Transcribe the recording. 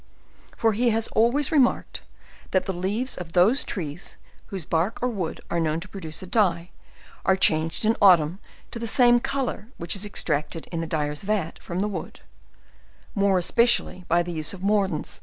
For he has always remark ed that the leaves of those trees whose bark or wood are known to produce a dye, are changed in autumn to the same color which is extracted in the dyer's vat from the wood; more especially by the use of mordants.